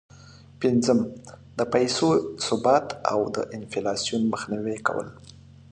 پنځم: د پیسو ثبات او د انفلاسون مخنیوی کول.